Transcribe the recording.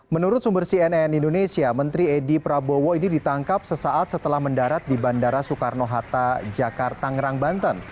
menurut sumber cnn indonesia menteri edi prabowo ini ditangkap sesaat setelah mendarat di bandara soekarno hatta jakarta tangerang banten